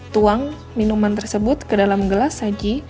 tuang minuman tersebut ke dalam gelas saji